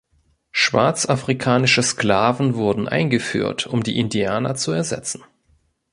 Schwarzafrikanische Sklaven wurden eingeführt, um die Indianer zu ersetzen.